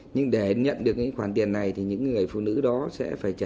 nhưng để nhận được những khoản tiền này thì những người phụ nữ đó sẽ phải trả